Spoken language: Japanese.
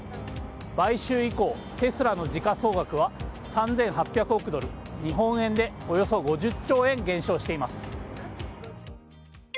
買収以降、テスラの時価総額は３８００億ドル日本円でおよそ５０兆円減少しています。